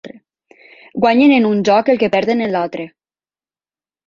Guanyen en un joc el que perden en l'altre.